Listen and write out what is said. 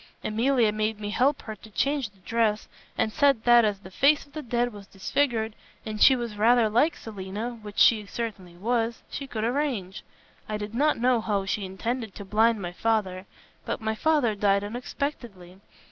Emilia made me help her to change the dress, and said that as the face of the dead was disfigured, and she was rather like Selina which she certainly was, she could arrange. I did not know how she intended to blind my father. But my father died unexpectedly.